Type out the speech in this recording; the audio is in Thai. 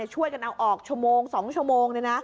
ช่วยกันเอาออกชั่วโมง๒ชั่วโมง